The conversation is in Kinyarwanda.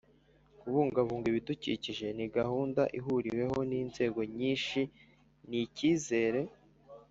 kubungabunga ibidukikije ni gahunda ihuriweho n'inzego nyinshi n'icyizere